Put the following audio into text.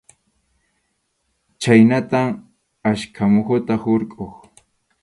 Khaynatam achka muhuta hurquq.